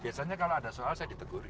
biasanya kalau ada soal saya ditegurin